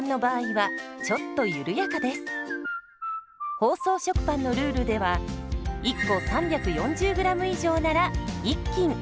包装食パンのルールでは１個３４０ｇ以上なら１斤。